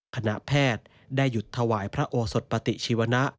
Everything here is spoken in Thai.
คณะแพทย์ได้หยุดถวายพระโอสดปฏิชีวนะ